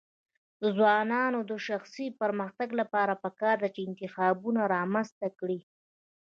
د ځوانانو د شخصي پرمختګ لپاره پکار ده چې انتخابونه رامنځته کړي.